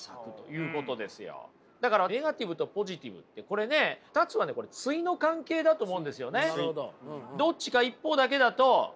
だからネガティブとポジティブってこれね２つは対の関係だと思うんですよね。